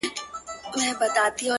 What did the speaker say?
چي د ښـكلا خبري پټي ساتي.!